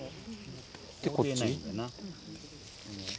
でこっち？